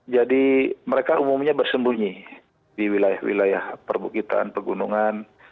jadi mereka umumnya bersembunyi di wilayah wilayah perbukitan pegunungan